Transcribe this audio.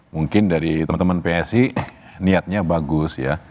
mungkin dari teman teman psi niatnya bagus ya